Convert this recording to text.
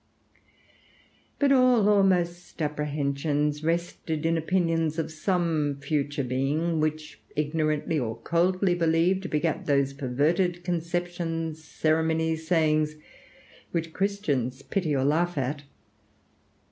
But all or most apprehensions rested in opinions of some future being, which, ignorantly or coldly believed, begat those perverted conceptions, ceremonies, sayings, which Christians pity or laugh at.